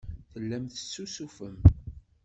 Tellam tessusufem.